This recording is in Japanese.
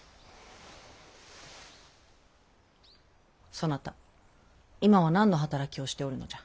そなた今は何の働きをしておるのじゃ。